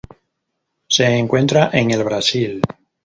Se encuentra en el Brasil